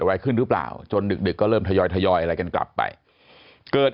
อะไรขึ้นหรือเปล่าจนดึกก็เริ่มทยอยทยอยอะไรกันกลับไปเกิด